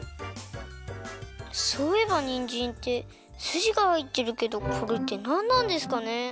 そういえばにんじんってすじがはいってるけどこれってなんなんですかね？